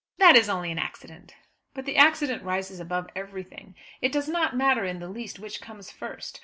"That is only an accident." "But the accident rises above everything. It does not matter in the least which comes first.